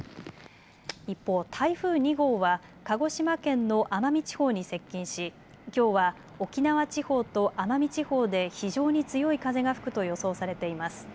一方、台風２号は鹿児島県の奄美地方に接近しきょうは沖縄地方と奄美地方で非常に強い風が吹くと予想されています。